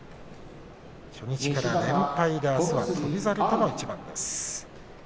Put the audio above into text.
初日から連敗であすは翔猿との一番です。